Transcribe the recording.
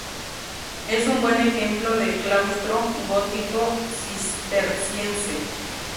Es un buen ejemplo de claustro gótico cisterciense.